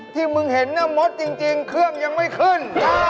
ที่มึงเห็นน่ะมดจริงเครื่องยังไม่ขึ้น